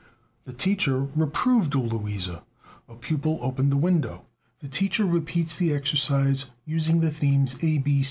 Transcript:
"The teacher reproved Luisa. A pupil opened the window. The teacher repeats the exercise using the themes A.